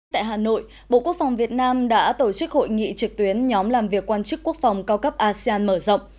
tại hà nội bộ quốc phòng việt nam đã tổ chức hội nghị trực tuyến nhóm làm việc quan chức quốc phòng cao cấp asean mở rộng